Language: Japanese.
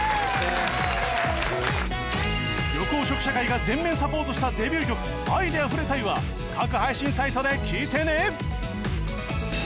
緑黄色社会が全面サポートしたデビュー曲『愛で溢れたい』は各配信サイトで聴いてね！